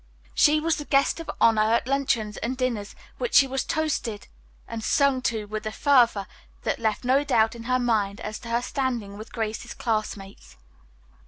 She was the guest of honor at luncheons and dinners, at which she was toasted and sung to with a fervor that left no doubt in her mind as to her standing with Grace's classmates.